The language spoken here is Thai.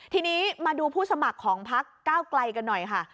ทีนี้มาดูผู้สมัครของพักเก้าไกลกันหน่อยค่ะ